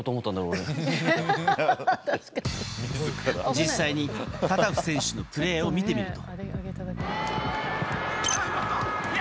実際にタタフ選手のプレーを見てみると。